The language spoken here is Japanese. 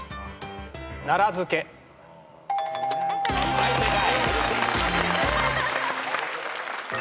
はい正解。